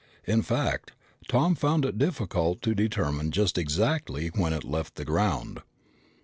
In fact, Tom found it difficult to determine just exactly when it left the ground.